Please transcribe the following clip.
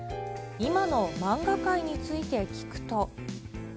今の漫画界について聞くと。